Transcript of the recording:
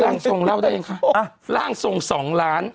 ร่างทรงเล่าได้ยังคะร่างทรงสองล้าน